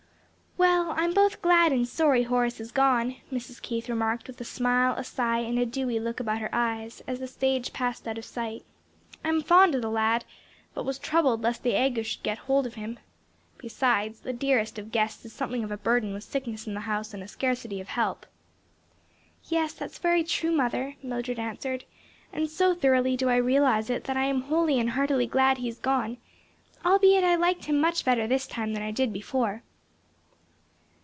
"WELL, I'm both glad and sorry Horace is gone," Mrs. Keith remarked with a smile, a sigh and a dewy look about her eyes, as the stage passed out of sight. "I'm fond of the lad, but was troubled lest the ague should get hold of him. Besides, the dearest of guests is something of a burden with sickness in the house and a scarcity of help." "Yes, that is very true, mother," Mildred answered, "and so thoroughly do I realize it that I am wholly and heartily glad he's gone; albeit I liked him much better this time than I did before."